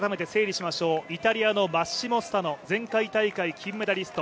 イタリアのマッシモ・スタノ前回大会金メダリスト。